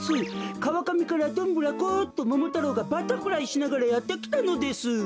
「かわかみからどんぶらこっとももたろうがバタフライしながらやってきたのです」。